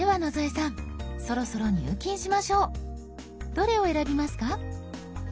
どれを選びますか？